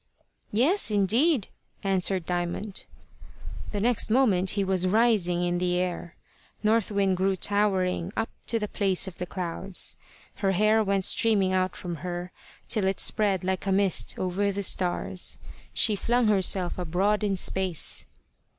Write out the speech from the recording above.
"Yes, indeed," answered Diamond. The next moment he was rising in the air. North Wind grew towering up to the place of the clouds. Her hair went streaming out from her, till it spread like a mist over the stars. She flung herself abroad in space.